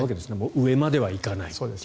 上までは行かない。